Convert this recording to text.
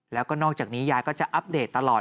แล้วก็นอกจากนี้ยายก็จะอัปเดตตลอด